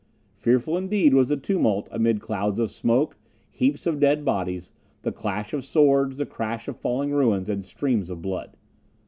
Fearful, indeed, was the tumult amid clouds of smoke, heaps of dead bodies, the clash of swords, the crash of falling ruins, and streams of blood.